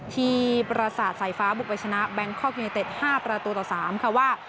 ที่ประสาทสายฟ้าบุกไปชนะแบงคอกยูเนเต็ด๕ประตูต่อ๓ค่ะว่า